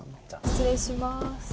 失礼します。